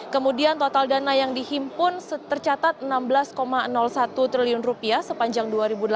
kemudian total dana yang dihimpun tercatat rp enam belas satu triliun sepanjang dua ribu delapan belas